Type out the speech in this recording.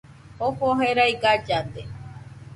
Jofo jerai gallade